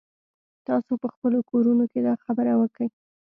تاسو په خپلو کورونو کښې دا خبره وکئ.